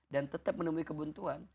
dan tetap menemui kebuntuan